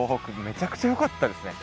めちゃくちゃよかったですね。